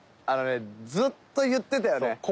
あのねずっと言ってたよね。